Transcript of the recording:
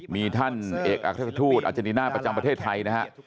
มีท่านเอกอักษัตริย์ทูตอาจารย์ดินาประจำประเทศไทยนะฮะ